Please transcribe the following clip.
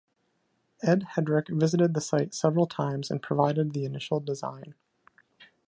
Ed Headrick visited the site several times and provided the initial design.